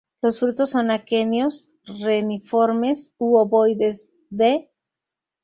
Los frutos son aquenios reniformes u ovoides, de.